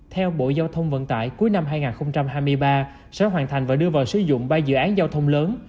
theo bộ giao thông vận tải cuối năm hai nghìn hai mươi ba sẽ hoàn thành và đưa vào sử dụng ba dự án giao thông lớn